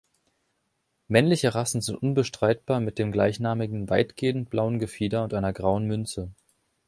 Männliche Rassen sind unbestreitbar mit dem gleichnamigen weitgehend blauen Gefieder und einer grauen Münze.